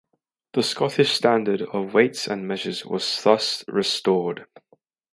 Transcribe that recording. The Scottish standard of weights and measures was thus restored.